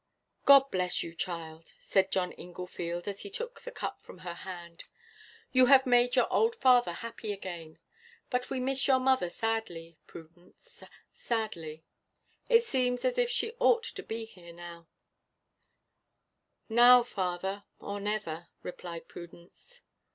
"God bless you, child," said John Inglefield, as he took the cup from her hand; "you have made your old father happy again. But we miss your mother sadly, Prudence, sadly. It seems as if she ought to be here now." "Now, father, or never," replied Prudence.